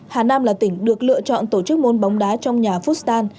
hà nam là tỉnh được lựa chọn tổ chức môn bóng đá trong nhà phúc stan